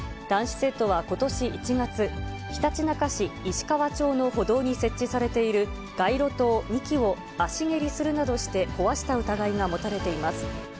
男子生徒はことし１月、ひたちなか市石川町の歩道に設置されている街路灯２基を足蹴りするなどして壊した疑いが持たれています。